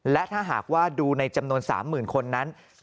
และถ้าหากว่าดูในจำนวน๓๐๐๐คนนั้น